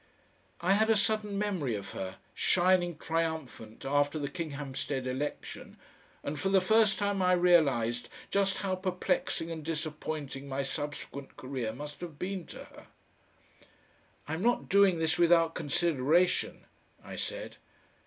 I had a sudden memory of her, shining triumphant after the Kinghampstead election, and for the first time I realised just how perplexing and disappointing my subsequent career must have been to her. "I'm not doing this without consideration," I said.